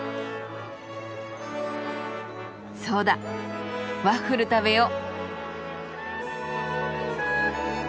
そうだワッフル食べよう。